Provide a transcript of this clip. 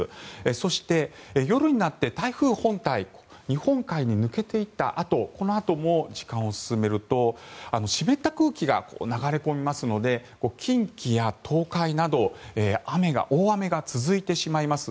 そして、夜になって台風本体日本海に抜けていったあとこのあとも時間を進めると湿った空気が流れ込みますので近畿や東海など大雨が続いてしまいます。